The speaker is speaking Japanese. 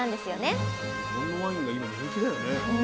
日本のワインが今人気だよね。